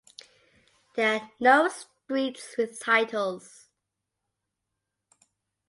There are no streets with titles.